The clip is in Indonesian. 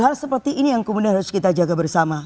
hal seperti ini yang kemudian harus kita jaga bersama